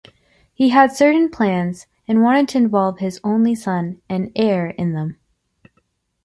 He had certain plans and wanted to involve his only son and heir in them.